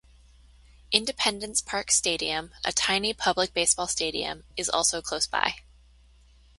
Independence Park Stadium, a tiny public baseball stadium, is also close by.